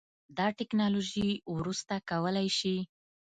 دا ټیکنالوژي وروسته کولی شي